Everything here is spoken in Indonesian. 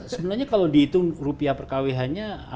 sebenarnya kalau dihitung rupiah per kwh nya